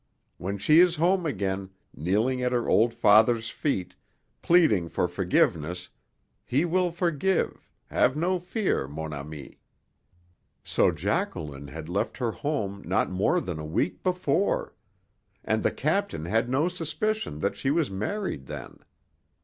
When she is home again, kneeling at her old father's feet, pleading for forgiveness, he will forgive have no fear, mon ami." So Jacqueline had left her home not more than a week before! And the captain had no suspicion that she was married then!